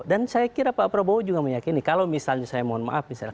dan saya kira pak prabowo juga meyakini kalau misalnya saya mohon maaf misalnya